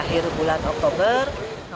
akhir bulan oktober